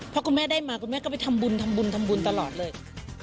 พวกลุงแม่ก็ได้มาก็ไปทำบุญทำบุญตลอดเลย